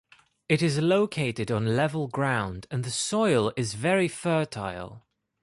It is located on level ground and the soil is very fertile.